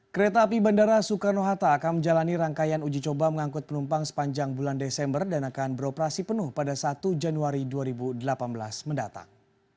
kereta api bandara soekarno hatta akan menjalani rangkaian uji coba mengangkut penumpang sepanjang bulan desember dan akan beroperasi penuh pada satu januari dua ribu delapan belas mendatang